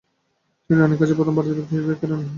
তিনি রানির কাছে প্রথম ভারতীয় ব্যক্তিগত কেরানি হন।